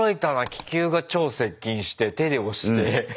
気球が超接近して手で押して。